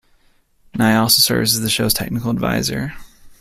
Nye also serves as the show's technical advisor.